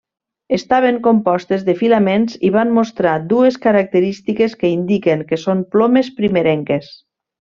Estaven compostes de filaments, i van mostrar dues característiques que indiquen que són plomes primerenques.